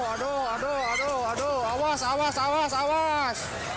aduh aduh aduh aduh aduh awas awas awas awas